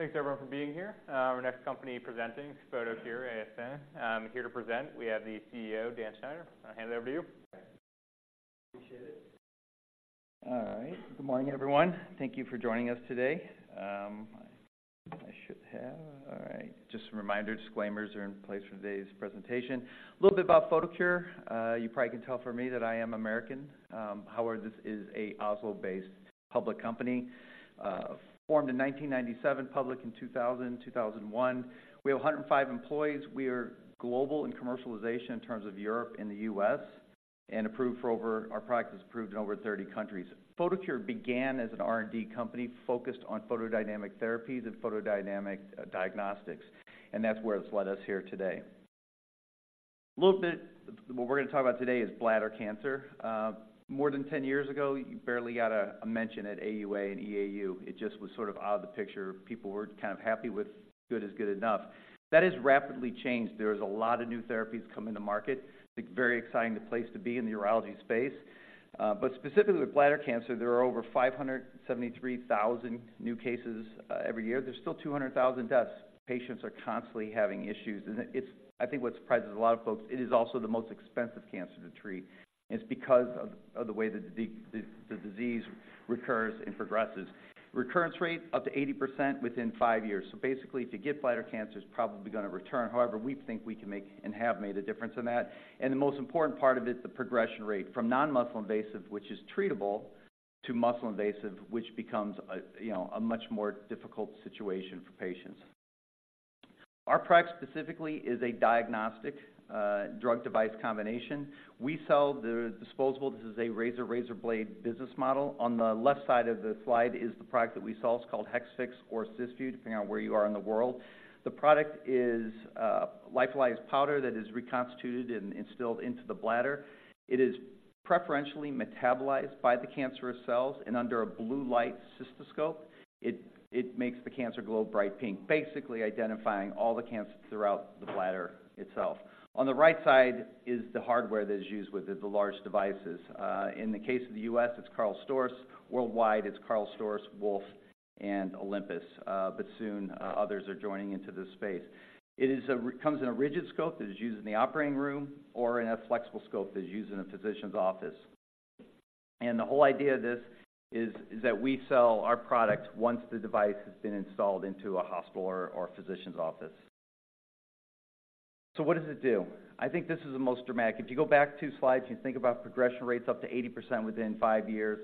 Thanks, everyone, for being here. Our next company presenting is Photocure ASA. Here to present, we have the CEO, Dan Schneider. I'll hand it over to you. Appreciate it. All right. Good morning, everyone. Thank you for joining us today. All right. Just some reminder, disclaimers are in place for today's presentation. A little bit about Photocure. You probably can tell from me that I am American. However, this is an Oslo-based public company, formed in 1997, public in 2001. We have 105 employees. We are global in commercialization in terms of Europe and the U.S., and approved for over—Our product is approved in over 30 countries. Photocure began as an R&D company focused on photodynamic therapies and photodynamic diagnostics, and that's where it's led us here today. A little bit, what we're going to talk about today is bladder cancer. More than 10 years ago, you barely got a mention at AUA and EAU. It just was sort of out of the picture. People were kind of happy with good is good enough. That has rapidly changed. There's a lot of new therapies coming to market. It's very exciting the place to be in the urology space. But specifically with bladder cancer, there are over 573,000 new cases every year. There's still 200,000 deaths. Patients are constantly having issues, and it's I think what surprises a lot of folks, it is also the most expensive cancer to treat. It's because of the way the disease recurs and progresses. Recurrence rate up to 80% within 5 years. So basically, if you get bladder cancer, it's probably going to return. However, we think we can make and have made a difference in that. The most important part of it, the progression rate from non-muscle invasive, which is treatable, to muscle invasive, which becomes a, you know, a much more difficult situation for patients. Our product specifically is a diagnostic, drug device combination. We sell the disposable. This is a razor, razor blade business model. On the left side of the slide is the product that we sell. It's called Hexvix or Cysview, depending on where you are in the world. The product is, lyophilized powder that is reconstituted and instilled into the bladder. It is preferentially metabolized by the cancerous cells, and under a blue light cystoscope, it, it makes the cancer glow bright pink, basically identifying all the cancer throughout the bladder itself. On the right side is the hardware that is used with it, the large devices. In the case of the US, it's KARL STORZ. Worldwide, it's KARL STORZ, Wolf, and Olympus, but soon, others are joining into this space. It comes in a rigid scope that is used in the operating room or in a flexible scope that is used in a physician's office. The whole idea of this is that we sell our product once the device has been installed into a hospital or physician's office. So what does it do? I think this is the most dramatic. If you go back two slides, you think about progression rates up to 80% within five years,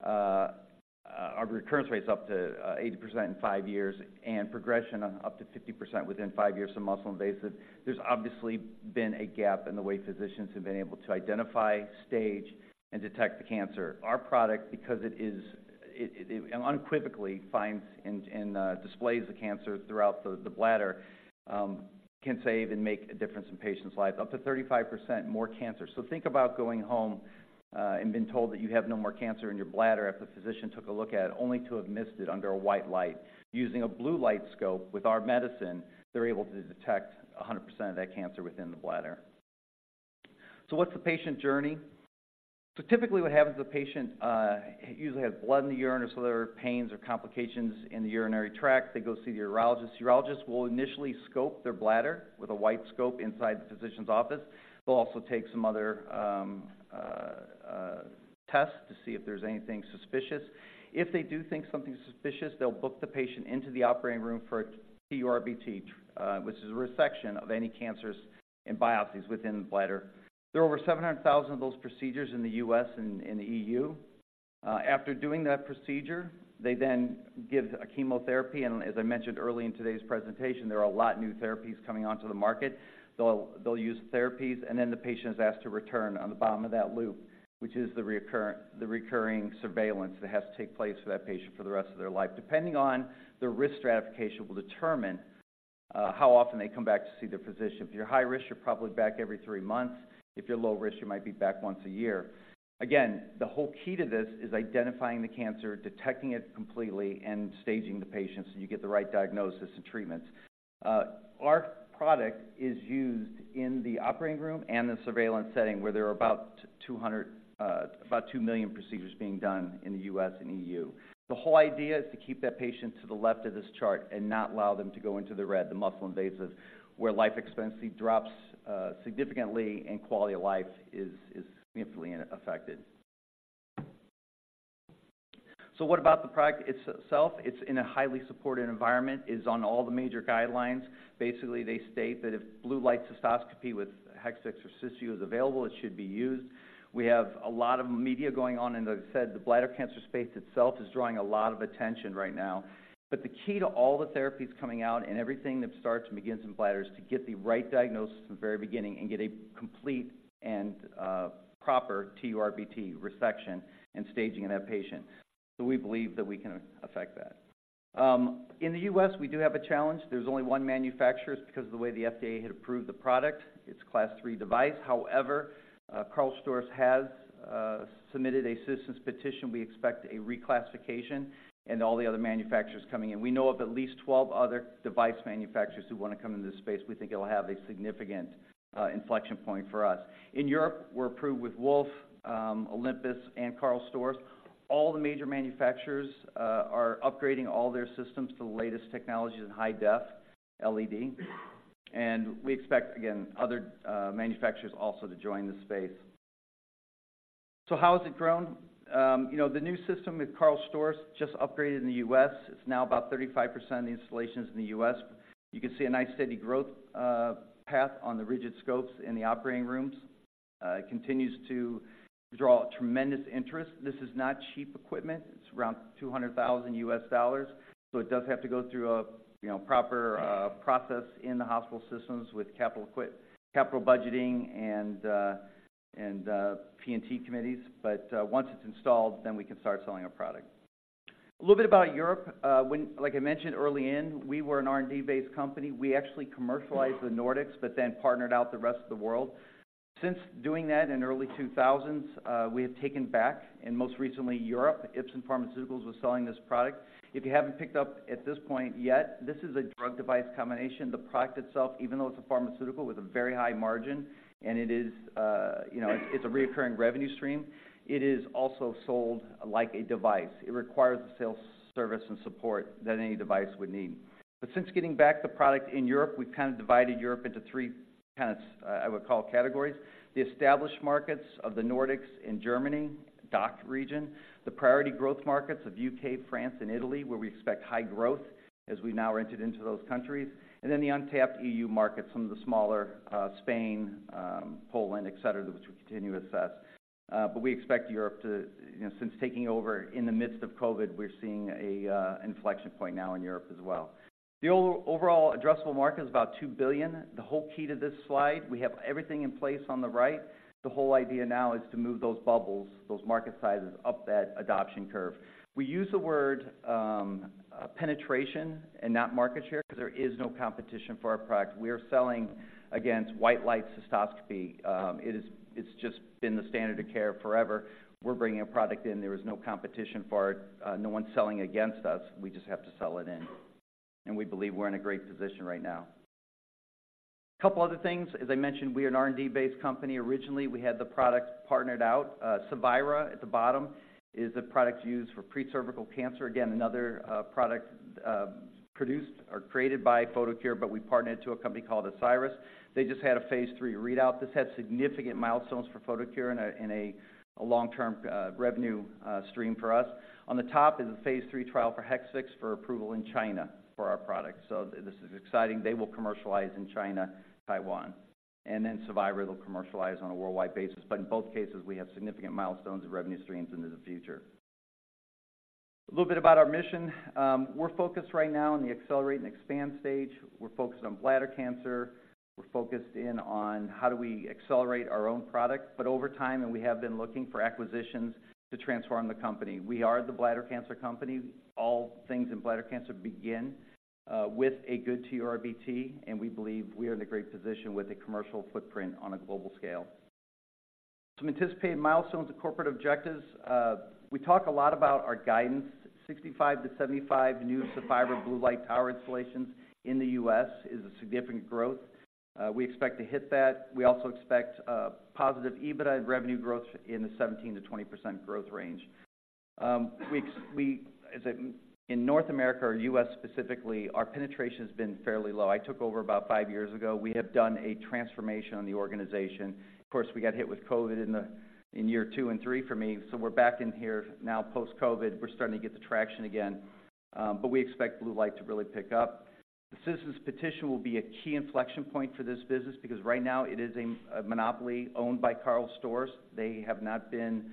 or recurrence rates up to 80% in five years and progression up to 50% within five years from muscle invasive. There's obviously been a gap in the way physicians have been able to identify, stage, and detect the cancer. Our product, because it is... It unequivocally finds and displays the cancer throughout the bladder, can save and make a difference in patients' lives, up to 35% more cancer. So think about going home and being told that you have no more cancer in your bladder after the physician took a look at it, only to have missed it under a white light. Using a blue light scope with our medicine, they're able to detect 100% of that cancer within the bladder. So what's the patient journey? Typically, what happens to the patient, usually has blood in the urine or so there are pains or complications in the urinary tract. They go see the urologist. The urologist will initially scope their bladder with a white scope inside the physician's office. They'll also take some other tests to see if there's anything suspicious. If they do think something's suspicious, they'll book the patient into the operating room for a TURBT, which is a resection of any cancers and biopsies within the bladder. There are over 700,000 of those procedures in the U.S. and in the EU. After doing that procedure, they then give a chemotherapy, and as I mentioned early in today's presentation, there are a lot of new therapies coming onto the market. They'll use therapies, and then the patient is asked to return on the bottom of that loop, which is the recurrent, the recurring surveillance that has to take place for that patient for the rest of their life. Depending on the risk, stratification will determine how often they come back to see their physician. If you're high risk, you're probably back every three months. If you're low risk, you might be back once a year. Again, the whole key to this is identifying the cancer, detecting it completely, and staging the patient so you get the right diagnosis and treatments. Our product is used in the operating room and the surveillance setting, where there are about 200, about two million procedures being done in the U.S. and EU. The whole idea is to keep that patient to the left of this chart and not allow them to go into the red, the muscle invasive, where life expectancy drops significantly and quality of life is significantly affected. So what about the product itself? It's in a highly supported environment. It's on all the major guidelines. Basically, they state that if blue light cystoscopy with Hexvix or Cysview is available, it should be used. We have a lot of media going on, and as I said, the bladder cancer space itself is drawing a lot of attention right now. But the key to all the therapies coming out and everything that starts and begins in bladder is to get the right diagnosis from the very beginning and get a complete and proper TURBT resection and staging in that patient. So we believe that we can affect that. In the U.S., we do have a challenge. There's only one manufacturer. It's because of the way the FDA had approved the product. It's a Class III device. However, KARL STORZ has submitted a Citizens Petition. We expect a reclassification and all the other manufacturers coming in. We know of at least 12 other device manufacturers who want to come into this space. We think it'll have a significant, inflection point for us. In Europe, we're approved with Wolf, Olympus, and Karl Storz. All the major manufacturers are upgrading all their systems to the latest technologies in high def LED. And we expect, again, other, manufacturers also to join this space. So how has it grown? You know, the new system with Karl Storz just upgraded in the U.S., it's now about 35% of the installations in the U.S. You can see a nice, steady growth, path on the rigid scopes in the operating rooms. It continues to draw tremendous interest. This is not cheap equipment. It's around $200,000, so it does have to go through a, you know, proper process in the hospital systems with capital budgeting and P&T committees. But once it's installed, then we can start selling our product. A little bit about Europe. When... Like I mentioned early in, we were an R&D-based company. We actually commercialized the Nordics, but then partnered out the rest of the world. Since doing that in early 2000s, we have taken back, and most recently, Europe. Ipsen was selling this product. If you haven't picked up at this point yet, this is a drug device combination. The product itself, even though it's a pharmaceutical, with a very high margin, and it is, you know, it's a recurring revenue stream, it is also sold like a device. It requires the sales service and support that any device would need. But since getting back the product in Europe, we've kind of divided Europe into three kinds, I would call, categories. The established markets of the Nordics and Germany, DACH region, the priority growth markets of U.K., France, and Italy, where we expect high growth as we've now entered into those countries, and then the untapped EU markets, some of the smaller, Spain, Poland, et cetera, which we continue to assess. But we expect Europe to, you know, since taking over in the midst of COVID, we're seeing an inflection point now in Europe as well. The overall addressable market is about $2 billion. The whole key to this slide, we have everything in place on the right. The whole idea now is to move those bubbles, those market sizes, up that adoption curve. We use the word penetration and not market share, because there is no competition for our product. We are selling against white light cystoscopy. It's just been the standard of care forever. We're bringing a product in. There is no competition for it. No one's selling against us. We just have to sell it in, and we believe we're in a great position right now. A couple other things. As I mentioned, we are an R&D-based company. Originally, we had the product partnered out. Cevira, at the bottom, is a product used for precervical cancer. Again, another product produced or created by Photocure, but we partnered to a company called Asieris. They just had a phase III readout. This had significant milestones for Photocure in a long-term revenue stream for us. On the top is a phase III trial for Hexvix for approval in China for our product. So this is exciting. They will commercialize in China, Taiwan, and then Cevira will commercialize on a worldwide basis. But in both cases, we have significant milestones and revenue streams into the future. A little bit about our mission. We're focused right now on the accelerate and expand stage. We're focused on bladder cancer. We're focused in on how do we accelerate our own product, but over time, and we have been looking for acquisitions to transform the company. We are the bladder cancer company. All things in bladder cancer begin with a good TURBT, and we believe we are in a great position with a commercial footprint on a global scale. Some anticipated milestones of corporate objectives. We talk a lot about our guidance. 65-75 new Saphira blue light tower installations in the U.S. is a significant growth. We expect to hit that. We also expect a positive EBITDA and revenue growth in the 17%-20% growth range. In North America, or U.S. specifically, our penetration has been fairly low. I took over about five years ago. We have done a transformation on the organization. Of course, we got hit with COVID in year two and three for me, so we're back in here now post-COVID. We're starting to get the traction again, but we expect blue light to really pick up. The Citizens Petition will be a key inflection point for this business because right now it is a monopoly owned by KARL STORZ. They have not been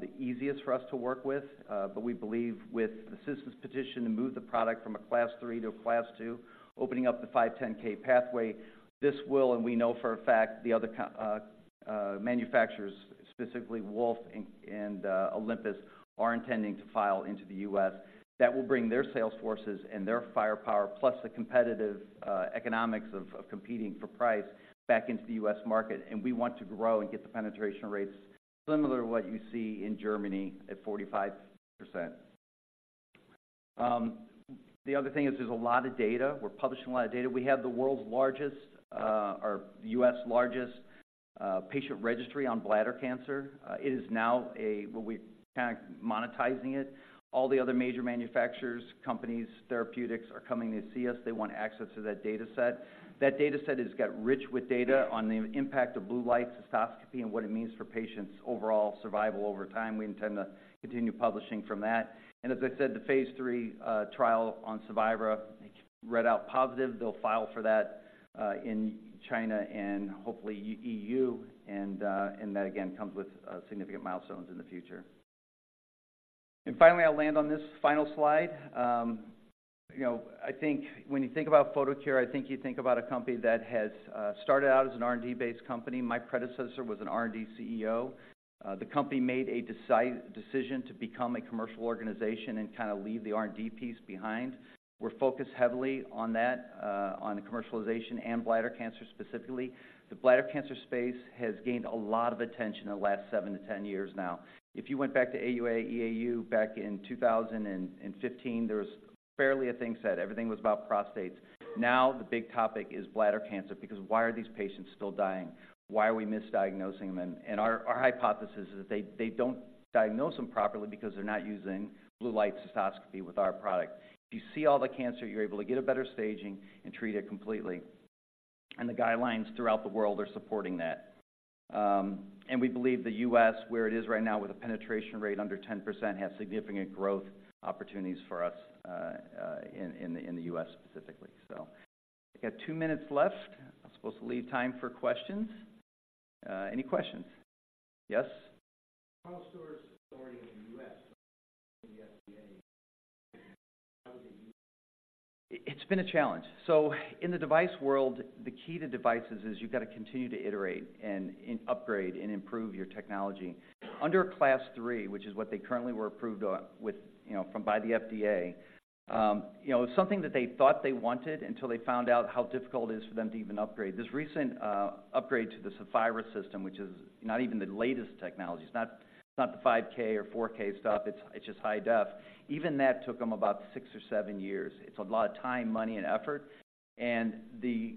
the easiest for us to work with, but we believe with the Citizens Petition to move the product from a Class III to a Class II, opening up the 510(k) pathway, this will, and we know for a fact, the other manufacturers, specifically Wolf and Olympus, are intending to file into the U.S. That will bring their sales forces and their firepower, plus the competitive economics of competing for price back into the U.S. market, and we want to grow and get the penetration rates similar to what you see in Germany at 45%. The other thing is there's a lot of data. We're publishing a lot of data. We have the world's largest, or U.S. largest, patient registry on bladder cancer. It is now, well, we're kind of monetizing it. All the other major manufacturers, companies, therapeutics, are coming to see us. They want access to that data set. That data set has got rich with data on the impact of Blue Light Cystoscopy and what it means for patients' overall survival over time. We intend to continue publishing from that. And as I said, the phase III trial on Cevira read out positive. They'll file for that in China and hopefully EU, and that again comes with significant milestones in the future. And finally, I'll land on this final slide. You know, I think when you think about Photocure, I think you think about a company that has started out as an R&D-based company. My predecessor was an R&D CEO. The company made a decision to become a commercial organization and kind of leave the R&D piece behind. We're focused heavily on that, on the commercialization and bladder cancer, specifically. The bladder cancer space has gained a lot of attention in the last seven-10 years now. If you went back to AUA, EAU back in 2015, there was barely a thing said. Everything was about prostates. Now, the big topic is bladder cancer, because why are these patients still dying? Why are we misdiagnosing them? And our hypothesis is that they don't diagnose them properly because they're not using blue light cystoscopy with our product. If you see all the cancer, you're able to get a better staging and treat it completely. And the guidelines throughout the world are supporting that. And we believe the U.S., where it is right now with a penetration rate under 10%, has significant growth opportunities for us, in the U.S. specifically. So I got two minutes left. I'm supposed to leave time for questions. Any questions? Yes. KARL STORZ is already in the U.S., the FDA. It's been a challenge. So in the device world, the key to devices is you've got to continue to iterate and upgrade and improve your technology. Under Class III, which is what they currently were approved on, with, you know, from the FDA, you know, something that they thought they wanted until they found out how difficult it is for them to even upgrade. This recent upgrade to the Saphira system, which is not even the latest technology, it's not, not the 5K or 4K stuff, it's just high def. Even that took them about six or seven years. It's a lot of time, money, and effort, and the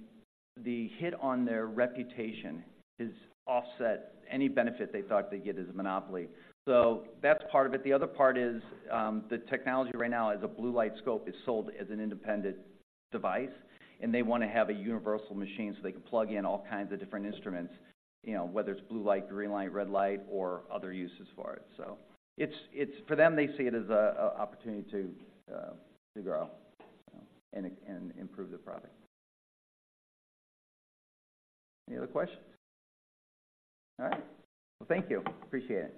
hit on their reputation has offset any benefit they thought they'd get as a monopoly. So that's part of it. The other part is the technology right now as a blue light scope is sold as an independent device, and they want to have a universal machine so they can plug in all kinds of different instruments, you know, whether it's blue light, green light, red light, or other uses for it. So it's, for them, they see it as a opportunity to grow and improve the product. Any other questions? All right. Well, thank you. Appreciate it.